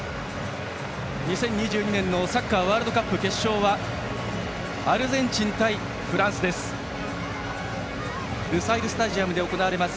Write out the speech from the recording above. ２０２２年のサッカーワールドカップ決勝はアルゼンチン対フランスです。